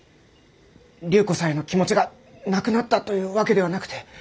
隆子さんへの気持ちがなくなったというわけではなくて。